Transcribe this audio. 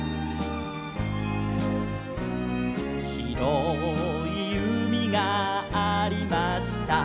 「ひろいうみがありました」